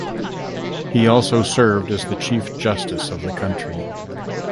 He also served as the Chief Justice of the country.